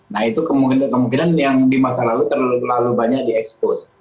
nah itu kemungkinan kemungkinan yang di masa lalu terlalu banyak di expose